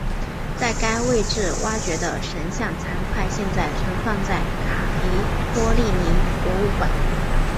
在该位置挖掘的神像残块现在存放在卡皮托利尼博物馆。